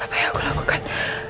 apa yang aku lakukan